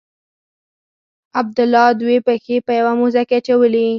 عبدالله دوې پښې په یوه موزه کې اچولي.